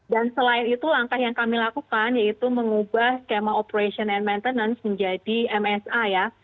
dan selain itu langkah yang kami lakukan yaitu mengubah skema operation and maintenance menjadi msa ya